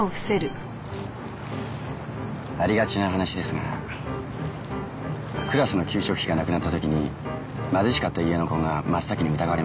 ありがちな話ですがクラスの給食費がなくなった時に貧しかった家の子が真っ先に疑われました。